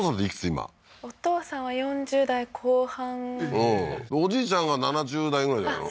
今お父さんは４０代後半おじいちゃんが７０代ぐらいじゃないの？